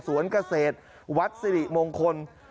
เกษตรวัดสิริมงคล